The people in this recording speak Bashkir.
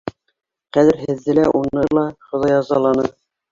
Хәҙер һеҙҙе лә, уны ла Хоҙай язаланы.